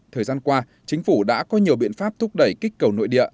thời gian qua chính phủ đã có nhiều biện pháp thúc đẩy kích cầu nội địa